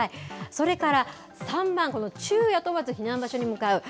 それから３番、この昼夜問わず避難場所に向かう。